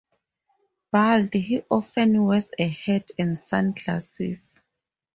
Bald, he often wears a hat and sunglasses.